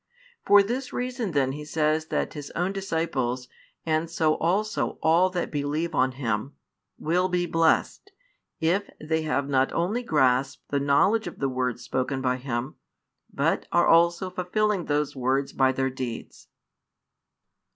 For this reason then He says that His own disciples, and so also all that believe on Him, will be blessed, if they have not only grasped the knowledge of the words spoken by Him, but are also fulfilling those words by their deeds.